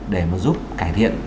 để mà giúp cải thiện